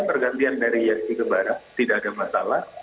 kemudian dari isi ke barat tidak ada masalah